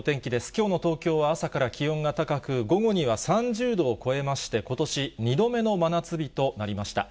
きょうも東京は朝から気温が高く、午後には３０度を超えまして、ことし２度目の真夏日となりました。